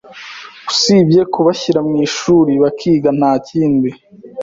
Usibye kubashyira mw’ishuli bakiga ntakindi